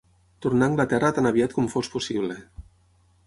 Tornar a Anglaterra tan aviat com fos possible